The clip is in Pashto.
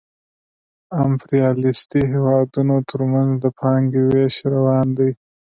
د امپریالیستي هېوادونو ترمنځ د پانګې وېش روان دی